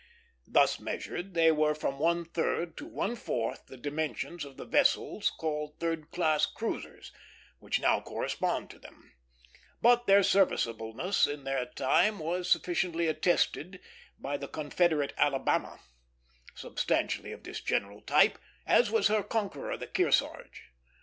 Thus measured, they were from one third to one fourth the dimensions of the vessels called third class cruisers, which now correspond to them; but their serviceableness in their time was sufficiently attested by the Confederate Alabama, substantially of this general type, as was her conqueror, the Kearsarge.